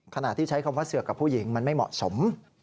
ขณะที่ใช้คำว่าเสือกกับผู้หญิงมันไม่เหมาะสม